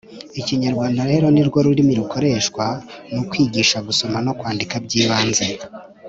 ikinyarwanda rero ni rwo rurimi rukoreshwa mu kwigisha gusoma no kwandika by’ibanze